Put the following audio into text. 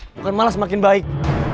bukan malah semakin baik